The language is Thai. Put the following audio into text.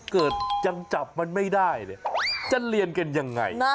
เกิดยังจับมันไม่ได้เนี่ยจะเรียนกันยังไง